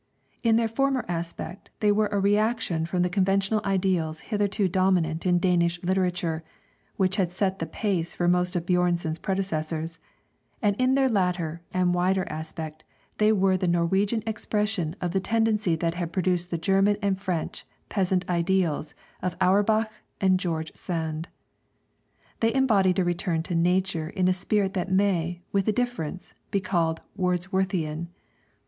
In their former aspect, they were a reaction from the conventional ideals hitherto dominant in Danish literature (which had set the pace for most of Björnson's predecessors); and in their latter and wider aspect they were the Norwegian expression of the tendency that had produced the German and French peasant idyls of Auerbach and George Sand. They embodied a return to Nature in a spirit that may, with a difference, be called Wordsworthian.